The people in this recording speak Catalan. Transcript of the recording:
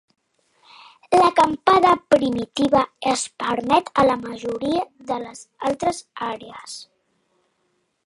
L'acampada primitiva es permet a la majoria de les altres àrees.